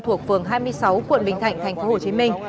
thuộc phường hai mươi sáu quận bình thạnh tp hcm